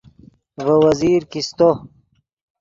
ڤے وزیر کیستو